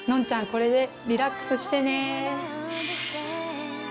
これでリラックスしてね。